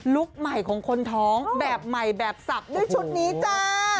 ใหม่ของคนท้องแบบใหม่แบบสับด้วยชุดนี้จ้า